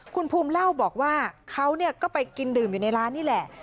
คุณภูมิเล่าบอกว่าเขาก็ไปกินดื่มอยู่ในร้านนี่แหละ